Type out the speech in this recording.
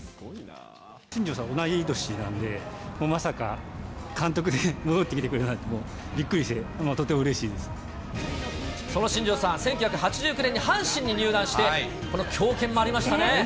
新庄さん、同い年なんで、まさか監督で戻ってきてくれるなんてびっくりしてとてもうれしいその新庄さん、１９８９年に阪神に入団して、この強肩もありましたね。